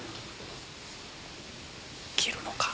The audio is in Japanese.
切るのか？